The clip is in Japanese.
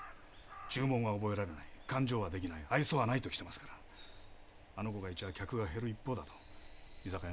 注文は覚えられない勘定はできない愛想はないときてますからあの子が居ちゃ客が減る一方だと居酒屋の主に言われまして。